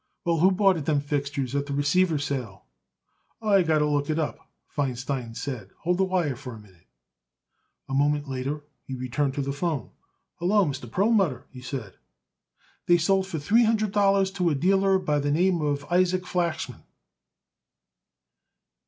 "Well, who bought it them fixtures at the receiver's sale?" "I got to look it up," Feinstein said. "Hold the wire for a minute." A moment later he returned to the 'phone. "Hallo, Mr. Perlmutter," he said. "They sold for three hundred dollars to a dealer by the name Isaac Flachsman."